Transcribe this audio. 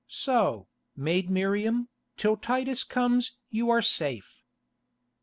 So, Maid Miriam, till Titus comes you are safe."